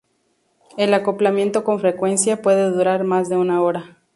El acoplamiento con frecuencia puede durar más de una hora.